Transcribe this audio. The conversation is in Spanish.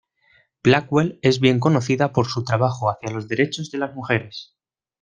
Blackwell es bien conocida por su trabajo hacia los derechos de las mujeres.